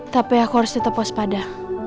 tapi aku harus tetap waspada